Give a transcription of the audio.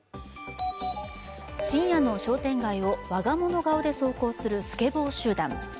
深夜の商店街を我が物顔で走行するスケボー集団。